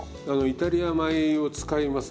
イタリア米を使います。